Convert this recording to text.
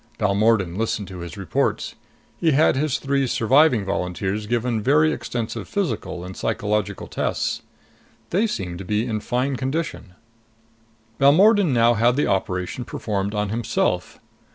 Balmordan listened to his reports. He had his three surviving volunteers given very extensive physical and psychological tests. They seemed to be in fine condition. Balmordan now had the operation performed on himself.